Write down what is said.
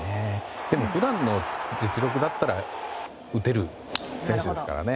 でも普段の実力だったら打てる選手ですからね。